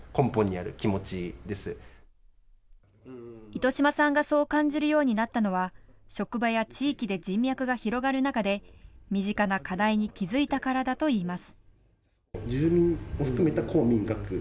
糸島さんがそう感じるようになったのは職場や地域で人脈が広がる中で身近な課題に気付いたからだといいます。